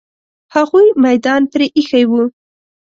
هغوی میدان پرې ایښی وو.